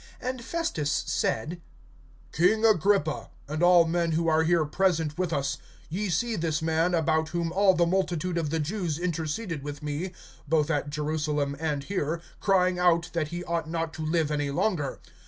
(24)And Festus said: King Agrippa, and all men who are here present with us, ye see this man, about whom all the multitude of the Jews interceded with me, both at Jerusalem and here, Crying out that he ought not to live any longer.